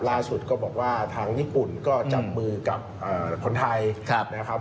ล่าสุดก็บอกว่าทางญี่ปุ่นก็จับมือกับคนไทยนะครับ